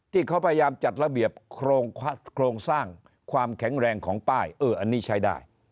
ที่เขาพยายามจัดระเบียบโครงสร้างความแข็งแรงของป้ายเอออันนี้ใช้ได้